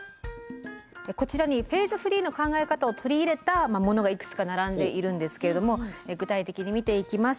こちらにフェーズフリーの考え方を取り入れたものがいくつか並んでいるんですけれども具体的に見ていきます。